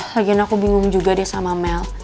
lagian aku bingung juga deh sama mel